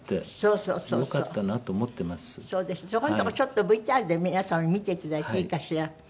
そうそこのところちょっとＶＴＲで皆様に見ていただいていいかしら？